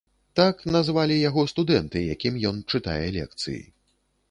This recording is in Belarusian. Так назвалі яго студэнты, якім ён чытае лекцыі.